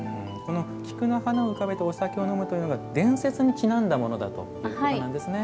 菊の花を浮かべてお酒を飲むというのは伝説にちなんだものということなんですね。